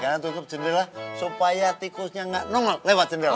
karena tutup jendela supaya tikusnya gak nongol lewat jendela